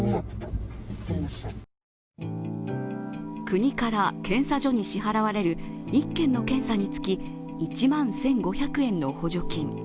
国から検査所に支払われる１件の検査につき１万１５００円の補助金。